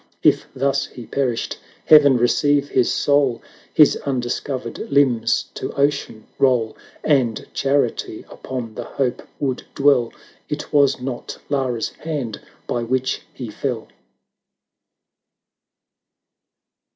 If thus he perished. Heaven receive his soul ! His undiscovered limbs to ocean roll; — And Charity upon the hope would dwell 1 241 It was not Lara's hand by which he fell.